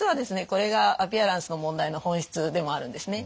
これがアピアランスの問題の本質でもあるんですね。